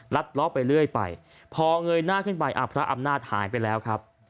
ล้อไปเรื่อยไปพอเงยหน้าขึ้นไปพระอำนาจหายไปแล้วครับ